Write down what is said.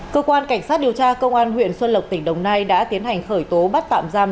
cơ quan cảnh sát điều tra công an huyện xuân lộc tỉnh đồng nai đã tiến hành khởi tố bắt tạm giam